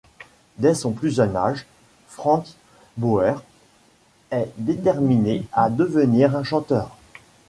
Dès son plus jeune âge, Frans Bauer est déterminé à devenir un chanteur.